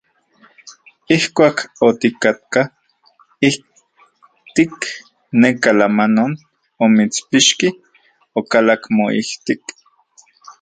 Ijkuak otikatka ijtik neka lama non omitspixki, okalak moijtik.